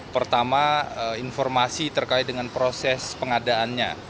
pertama informasi terkait dengan proses pengadaannya